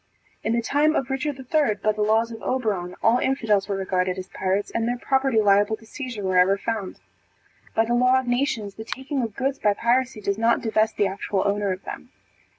In the time of Richard III, by the laws of Oberon, all infidels were regarded as pirates, and their property liable to seizure wherever found. By the law of nations, the taking of goods by piracy does not divest the actual owner of them.